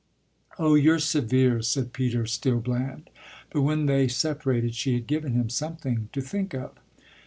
"Oh you're severe," said Peter, still bland; but when they separated she had given him something to think of.